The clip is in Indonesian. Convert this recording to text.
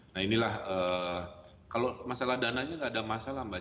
nah inilah kalau masalah dananya tidak ada masalah mbak